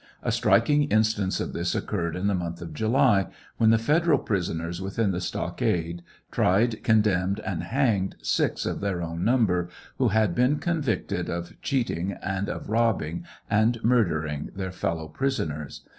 A striking instance of this occurred in the month of July, when the federal prisoners within the stockade tried, condemned, and hanged six (6) of their own number who 'had TRIAL OF HENRY WIRZ. 735 beeu convicted of cheating and of robbing and murdering their fellow prisoners.